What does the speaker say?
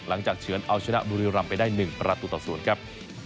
หลังจากเฉือนเอาชนะดุริรัมไปได้๑ประตูต่อส่วนครับ